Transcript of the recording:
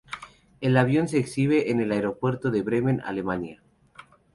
El avión se exhibe en el Aeropuerto de Bremen, Alemania.